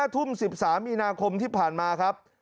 ทุ่ม๑๓มีนาคมที่ผ่านมาครับ